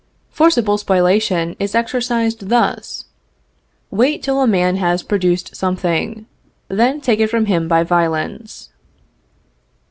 Forcible spoliation is exercised thus: Wait till a man has produced something; then take it from him by violence.